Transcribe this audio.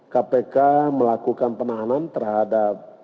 kpk melakukan penahanan terhadap